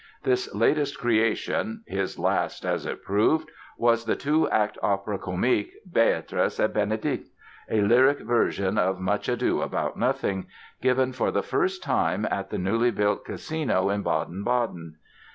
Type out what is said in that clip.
This latest creation—his last, as it proved—was the two act opera comique, "Béatrice et Bénédict", a lyric version of "Much Ado About Nothing"—given for the first time at the newly built casino in Baden Baden.